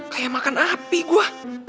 kayak makan api gue